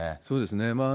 そうですね。